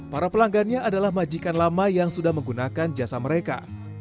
dan pelanggannya adalah majikan lama yang sudah menggunakan jasa mereka